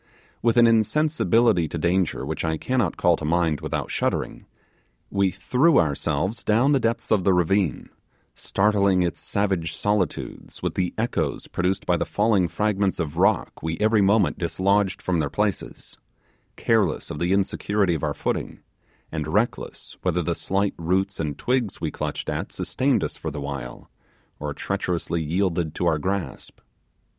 With an insensibility to danger which I cannot call to mind without shuddering, we threw ourselves down the depths of the ravine, startling its savage solitudes with the echoes produced by the falling fragments of rock we every moment dislodged from their places, careless of the insecurity of our footing, and reckless whether the slight roots and twigs we clutched at sustained us for the while, or treacherously yielded to our grasp.